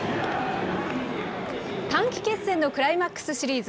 短期決戦のクライマックスシリーズ。